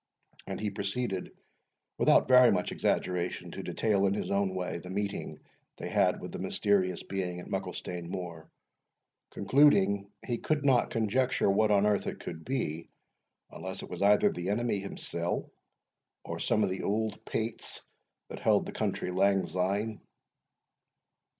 And he proceeded, without very much exaggeration, to detail, in his own way, the meeting they had with the mysterious being at Mucklestane Moor, concluding, he could not conjecture what on earth it could be, unless it was either the Enemy himsell, or some of the auld Peghts that held the country lang syne.